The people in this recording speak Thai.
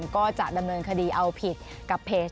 ก็จะดำเนินคดีเอาผิดกับเพจ